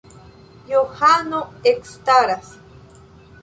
Johano ekstaras.